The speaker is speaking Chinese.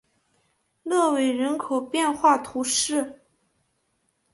勒韦人口变化图示